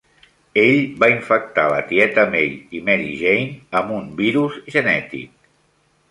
Ell va infectar la tieta May i Mary Jane amb un virus genètic.